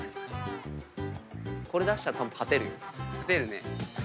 これ出したら勝てるよ。